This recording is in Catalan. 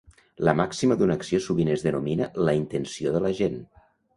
La màxima d'una acció sovint es denomina la intenció de l'agent.